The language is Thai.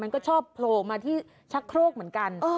ชอบโผล่มาที่ชักโครกเหมือนกัน